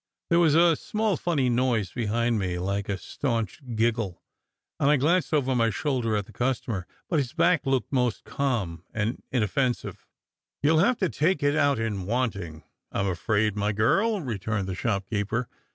There was a small funny noise behind me, like a staunched giggle, and I glanced over my shoulder at the customer, but his back looked most calm and inoffen sive. "You ll have to take it out in wanting, I m afraid, my girl," returned the shopkeeper.